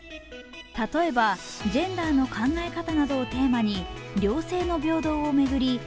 例えばジェンダーの考え方などをテーマに両性の平等を巡り